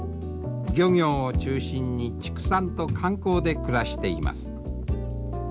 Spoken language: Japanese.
漁業を中心に畜産と観光で暮らしています。